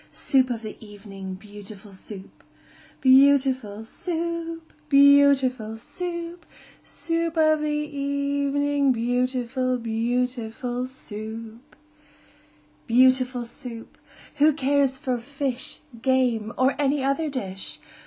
Soup of the evening, beautiful Soup! Beau ootiful Soo oop! Beau ootiful Soo oop! Soo oop of the e e evening, Beautiful, beautiful Soup! Beautiful Soup! Who cares for fish, Game, or any other dish?